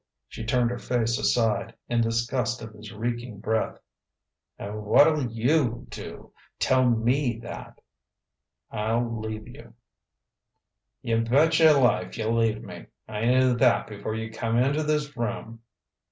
She turned her face aside, in disgust of his reeking breath. "And what'll you do? Tell me that!" "I'll leave you " "You betcha life you'll leave me. I knew that before you come into this room!"